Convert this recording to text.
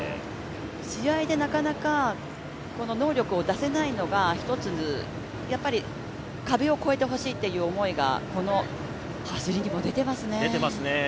試合でなかなか能力を出せない、壁を越えてほしいというのがこの走りにも出てますね。